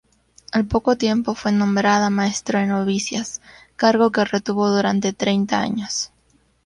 Al poco tiempo fue nombrada maestra de novicias, cargo que retuvo durante treinta años.